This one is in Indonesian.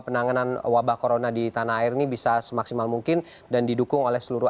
penanganan wabah corona di tanah air ini bisa semaksimal mungkin dan didukung oleh seluruh